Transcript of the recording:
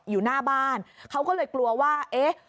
อยู่หน้าบ้านเขาก็เลยกลัวว่าเอ๊ะ